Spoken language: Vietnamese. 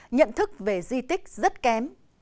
nhận thức về di tích rất kém